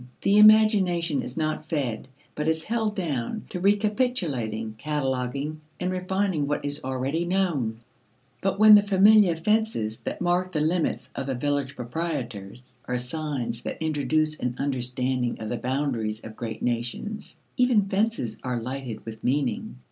The imagination is not fed, but is held down to recapitulating, cataloguing, and refining what is already known. But when the familiar fences that mark the limits of the village proprietors are signs that introduce an understanding of the boundaries of great nations, even fences are lighted with meaning.